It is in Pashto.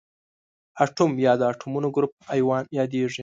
اتوم یا د اتومونو ګروپ ایون یادیږي.